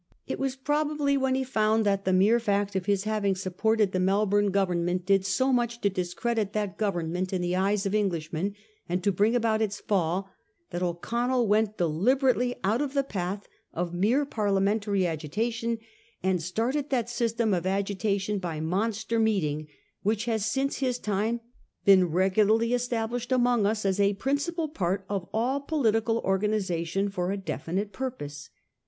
It was probably when he found that the mere fact of his having sup ported the Melbourne Government did so much to discredit that Government in the eyes of English men, and to bring about its fall, that O'Connell went deliberately out of the path of mere Parliamentary agitation, and started that system of agitation by monster meeting which has since his time been re gularly established among us as a principal part oi all political organisation for a definite purpose.